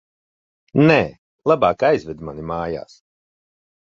Nē, labāk aizved mani mājās.